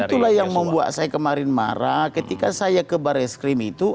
itulah yang membuat saya kemarin marah ketika saya ke bar es krim itu